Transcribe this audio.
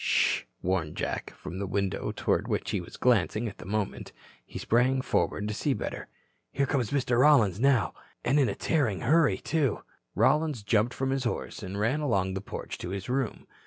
"Sh," warned Jack, from the window toward which he was glancing at that moment. He sprang forward to see better. "Here comes Mr. Rollins now. And in a tearing hurry, too." Rollins jumped from his horse and ran along the porch to his room.